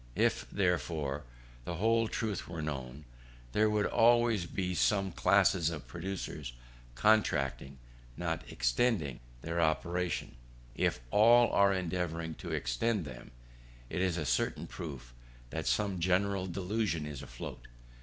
If, therefore, the whole truth were known, there would always be some classes of producers contracting, not extending, their operations. If all are endeavouring to extend them, it is a certain proof that some general delusion is afloat.